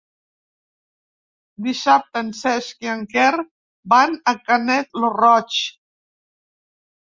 Dissabte en Cesc i en Quer van a Canet lo Roig.